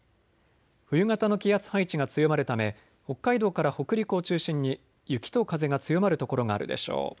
冬型の気圧配置が強まるため北海道から北陸を中心に雪と風が強まる所があるでしょう。